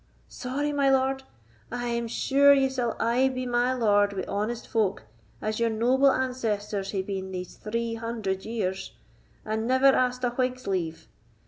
"Sorry, my lord! I am sure ye sall aye be my lord wi' honest folk, as your noble ancestors hae been these three hundred years, and never asked a Whig's leave.